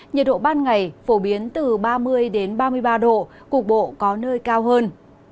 nhiệt độ ban ngày phổ biến từ ba mươi ba mươi ba độ cục bộ có nơi cao hơn